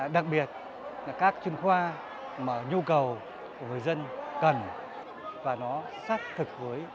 đặc biệt là các chuyên khoa mà nhung vào các bệnh viện tuyến trên hỗ trợ chuyên môn cho bệnh viện tuyến dưới